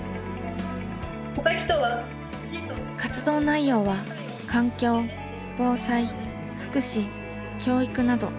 活動内容は環境防災福祉教育などさまざまです。